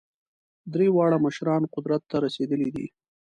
درې واړه مشران قدرت ته رسېدلي دي.